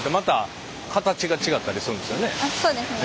そうですね。